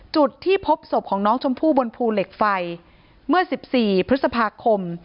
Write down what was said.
จุดที่พบศพของน้องชมพู่บนภูเหล็กไฟเมื่อ๑๔พฤษภาคม